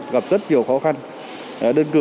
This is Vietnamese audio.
gặp rất nhiều khó khăn